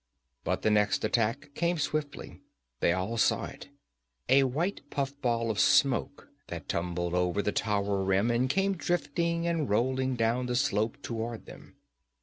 But the next attack came swiftly. They all saw it a white puffball of smoke that tumbled over the tower rim and came drifting and rolling down the slope toward them.